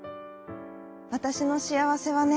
わたしのしあわせはね